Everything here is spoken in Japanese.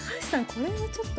これはちょっと。